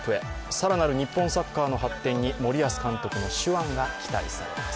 更なる日本サッカーの発展に森保監督の手腕が期待されます。